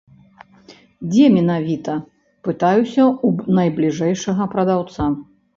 Дзе менавіта, пытаюся ў найбліжэйшага прадаўца.